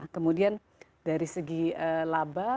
kemudian dari segi laba